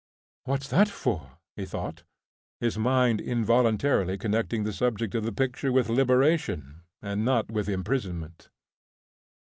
"What's that for?" he thought, his mind involuntarily connecting the subject of the picture with liberation and not with imprisonment.